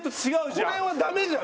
これはダメじゃん